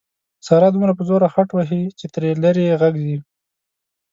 ساره دومره په زوره خټ وهي چې تر لرې یې غږ ځي.